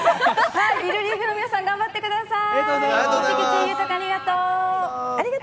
リルリーグの皆さん、頑張ってください。